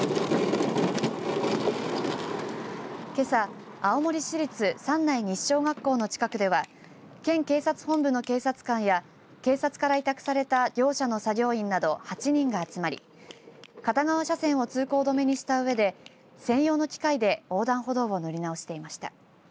けさ青森市立三内西小学校の近くでは県警察本部の警察官や警察から委託された業者の作業員など８人が集まり片側車線を通行止めにしたうえで専用の機械で横断歩道を塗り直していました。